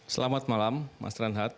selamat malam mas ranhat